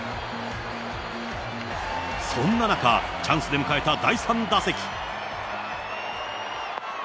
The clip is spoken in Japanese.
そんな中、チャンスで迎えた第３打席。